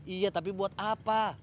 iya tapi buat apa